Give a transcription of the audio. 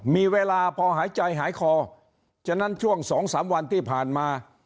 มีเวลาพอหายใจหายคอฉะนั้นช่วง๒๓วันที่ผ่านมา